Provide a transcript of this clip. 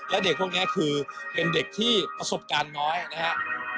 และเด็กพวกนี้คือเป็นเด็กที่ประสบการณ์น้อยนะครับ